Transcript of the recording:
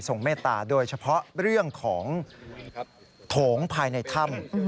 เมตตาโดยเฉพาะเรื่องของโถงภายในถ้ำ